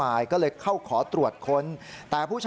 ไปดูภาพเหตุการณ์กันนะครับคุณผู้ชม